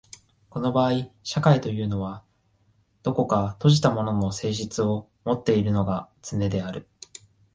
この場合社会というのは何等か閉じたものの性質をもっているのがつねである。